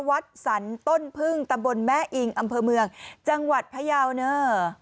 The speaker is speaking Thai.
วัดสรรต้นพึ่งตำบลแม่อิงอำเภอเมืองจังหวัดพยาวเนอร์